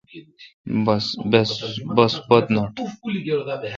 بس پت نوٹہ۔